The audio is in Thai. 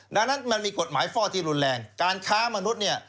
ดังนั้นมันมีกฎหมายฟ่อที่รุนแรงการค้ามนุษย์เนี่ย